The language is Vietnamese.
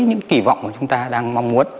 những kỳ vọng chúng ta đang mong muốn